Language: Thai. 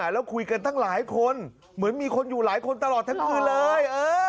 แล้วคุยกันตั้งหลายคนเหมือนมีคนอยู่หลายคนตลอดทั้งคืนเลย